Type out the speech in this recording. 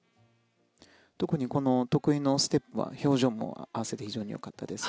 特にこの得意のステップは表情も合わせてよかったです。